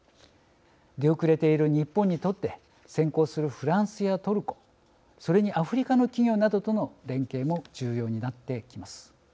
出遅れている日本にとって先行するフランスやトルコそれにアフリカの企業などとの連携も重要になってきます。